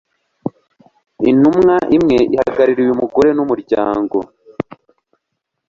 intumwa imwe ihagarariye umugore n'umuryango